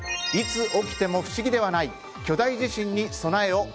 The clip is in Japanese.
いつ起きても不思議ではない巨大地震に備えを。